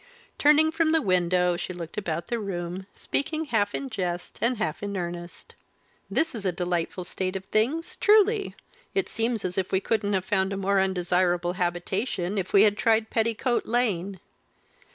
Turning from the window, she looked about the room, speaking half in jest and half in earnest. "This is a delightful state of things truly! It seems as if we couldn't have found a more undesirable habitation, if we had tried Petticoat Lane.